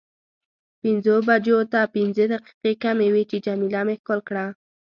پنځو بجو ته پنځه دقیقې کمې وې چې جميله مې ښکل کړه.